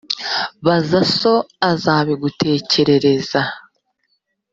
baza so, azabigutekerereza,